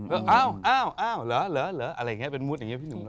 อ้าวอ้าวเหรออะไรอย่างนี้เป็นมุดอย่างนี้พี่หนุ่ม